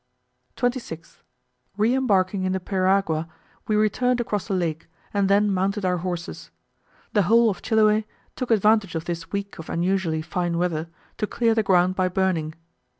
26th. Re embarking in the periagua, we returned across the lake, and then mounted our horses. The whole of Chiloe took advantage of this week of unusually fine weather, to clear the ground by burning.